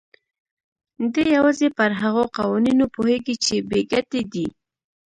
دی يوازې پر هغو قوانينو پوهېږي چې بې ګټې دي.